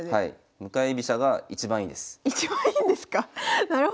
向かい飛車が一番いいです。